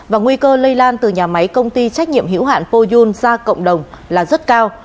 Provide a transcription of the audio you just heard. và nguy cơ lây lan từ nhà máy công ty trách nhiệm hữu hạn poyun ra cộng đồng là rất cao